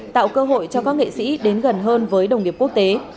tạo cơ hội cho các nghệ sĩ đến gần hơn với đồng nghiệp quốc tế